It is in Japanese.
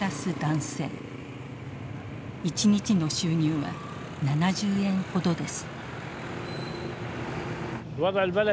一日の収入は７０円ほどです。